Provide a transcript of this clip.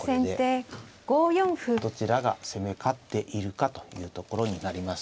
どちらが攻め勝っているかというところになります。